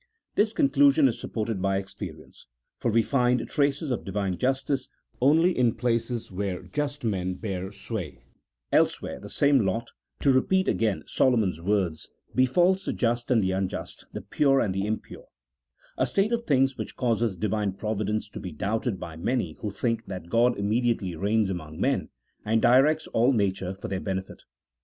CHAP. XIX.] OF THE OUTWARD FORMS OF RELIGION. 249 This conclusion is supported by experience, for we find traces of Divine justice only in places where just men bear sway ; elsewhere the same lot (to repeat again Solomon's words) befalls the just and the unjust, the pure and the impure : a state of things which causes Divine Providence to be doubted by many who think that God immediately reigns among men, and directs all nature for their benefit.